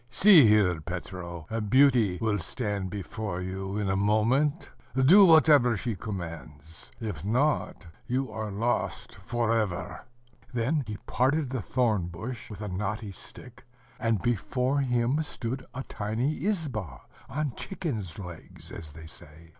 "See here, Petro: a beauty will stand before you in a moment; do whatever she commands; if not you are lost for ever." Then he parted the thorn bush with a knotty stick, and before him stood a tiny izba, on chicken's legs, as they say.